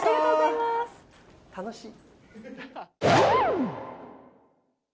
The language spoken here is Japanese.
楽しい。